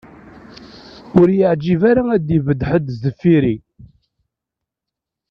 Ur y-iεǧib ara ad d-ibedd ḥedd sdeffir-i.